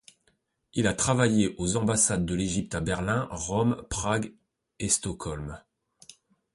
Il a travaillé aux ambassades de l'Égypte à Berlin, Rome, Prague et Stockholm.